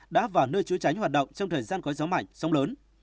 đã vào nơi chúa tránh hoạt động trong thời gian có gió mạnh sóng lớn